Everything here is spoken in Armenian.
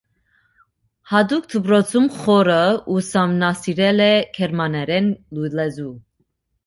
Հատուկ դպրոցում խորը ուսումնասիրել է գերմաներեն լեզու։